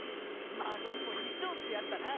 「馬子にも衣装」ってやつだな。